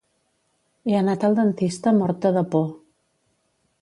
He anat al dentista morta de por